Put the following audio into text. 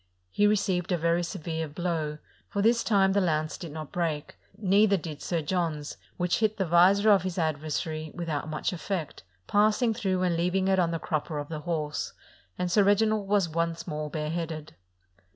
He received a very severe blow, for this time the lance did not break ; neither did Sir John's, which hit the visor of his adversary without much effect, passing through and leaving it on the crup per of the horse, and Sir Reginald was once more bare headed.